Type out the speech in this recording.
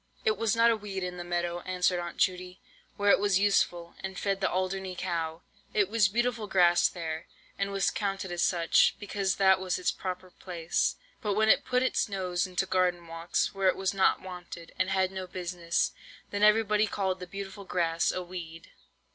"It was not a weed in the meadow," answered Aunt Judy, "where it was useful, and fed the Alderney cow. It was beautiful Grass there, and was counted as such, because that was its proper place. But when it put its nose into garden walks, where it was not wanted, and had no business, then everybody called the beautiful Grass a weed."